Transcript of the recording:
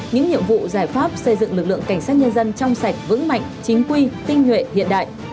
những nhiệm vụ giải pháp xây dựng lực lượng cảnh sát nhân dân trong sạch vững mạnh chính quy tinh nhuệ hiện đại